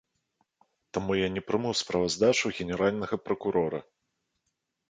Таму я не прыму справаздачу генеральнага пракурора.